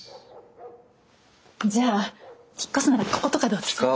じゃあ引っ越すならこことかどうですか？